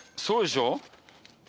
そうでしょ。